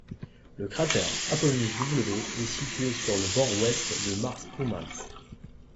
Le cratère Apollonius W est situé sur le bord ouest de Mare Spumans.